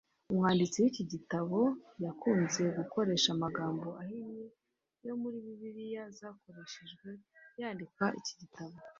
umwanditsi w’iki gitabo yakunze gukoresha amagambo ahinnye ya za bibiliya zakoreshejwe yandika iki gitabo.